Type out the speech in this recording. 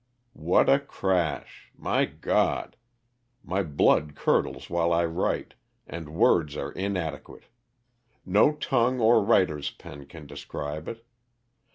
What a crash ! My God ! My blood curdles while I write, and words are inadequate ; no tongue or writer's pen can describe it.